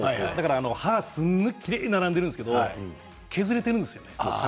歯がきれいに並んでいるんですけれども、削れているんですよね。